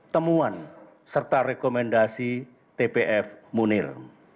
temuan serta rekomendasi tpf munir